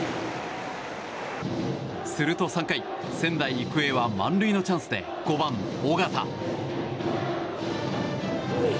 すると３回仙台育英は満塁のチャンスで５番、尾形。